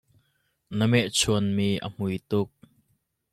Na meh chuanmi a hmui tuk.